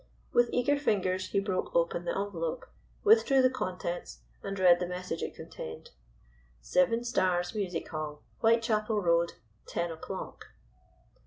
With eager fingers he broke open the envelope, withdrew the contents, and read the message it contained: "Seven Stars Music Hall Whitechapel Road. Ten o'clock."